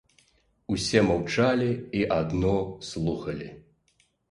Усе маўчалі і адно слухалі.